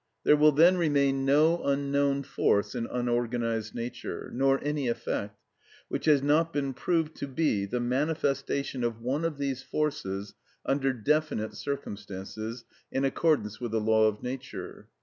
There will then remain no unknown force in unorganised nature, nor any effect, which has not been proved to be the manifestation of one of these forces under definite circumstances, in accordance with a law of nature.